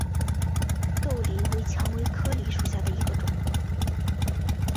豆梨为蔷薇科梨属下的一个种。